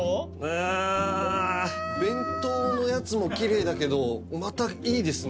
弁当のやつもきれいだけどまたいいですね